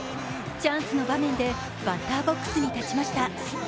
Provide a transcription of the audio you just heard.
チャンスの場面でバッターボックスに立ちました。